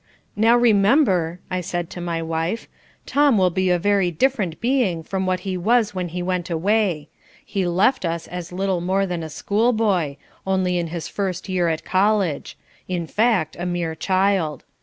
"Now, remember," I said to my wife, "Tom will be a very different being from what he was when he went away. He left us as little more than a school boy, only in his first year at college; in fact, a mere child.